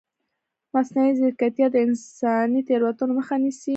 مصنوعي ځیرکتیا د انساني تېروتنو مخه نیسي.